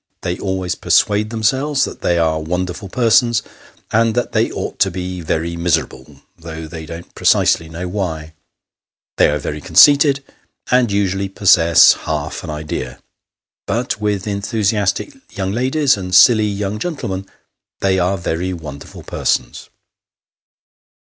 They always persuade themselves that they are wonderful persons, and that they ought to be very miserable, though The Ball. 247 they don't precisely know why. They are very conceited, and usually possess half an idea ; but, with enthusiastic young ladies, and silly young gentlemen, they are very wonderful persons.